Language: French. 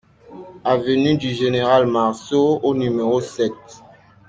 Avenue du Général Marceau au numéro sept